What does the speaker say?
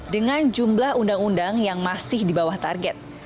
dengan jumlah undang undang yang masih di bawah target